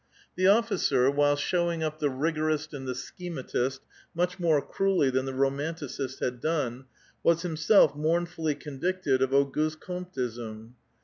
The officer, while showing up the rigorisi and the schematist much more cruelly than the romanticisi had done, was himself mourn full}' convicted of Auguste Comteism.